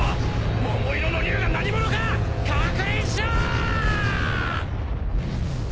桃色の龍が何者か確認しろ！